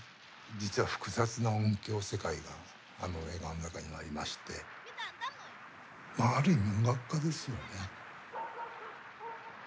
実は複雑な音響世界があの映画の中にはありましてまあある意味音楽家ですよね。